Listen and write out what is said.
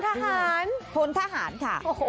ทหารพลทหารค่ะ